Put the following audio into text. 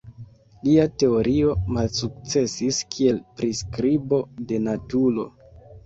Lia teorio malsukcesis kiel priskribo de naturo.